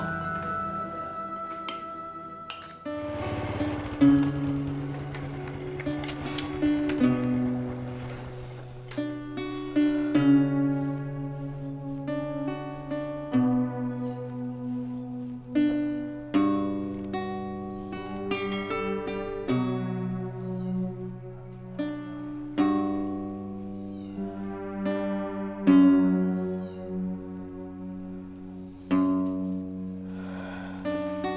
tidak ada apa apa